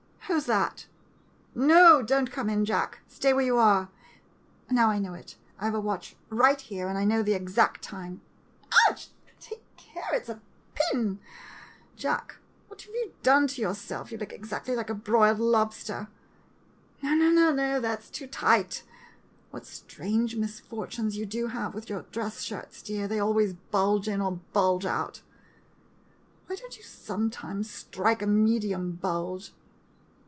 Who's that? No — don't come in, Jack. Stay where you are. Now I know it — I have a watch right here, and I know the exact time. Ouch — take care — it 's a pin ! Jack, what have you done to yourself? You look exactly like a broiled lobster. No, no, that 's too tight. What strange misfortunes you do have with your dress shirts, dear — they always bulge in, or bulge out. Why don't you sometime strike a medium bulge